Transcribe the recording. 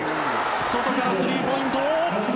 外からスリーポイント！